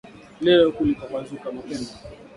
Leo kulipambazuka mapema.